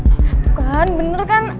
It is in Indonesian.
itu kan bener kan